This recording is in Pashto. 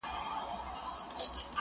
نو خود به اوس ورځي په وينو رنگه ككــرۍ؛